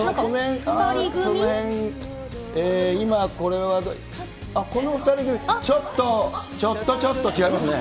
その辺、今、これは、この２人組、ちょっと、ちょっとちょっと、違いますね。